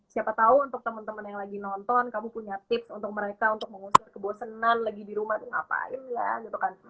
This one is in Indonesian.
siapa tahu untuk teman teman yang lagi nonton kamu punya tips untuk mereka untuk mengusir kebosenan lagi di rumah tuh ngapain ya gitu kan